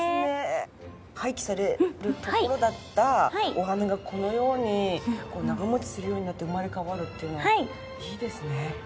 廃棄されるところだったお花がこのように長持ちするようになって生まれ変わるっていうのはいいですね。